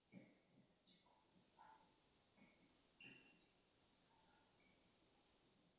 El presidente checoslovaco Edvard Beneš renunció y partió al exilio.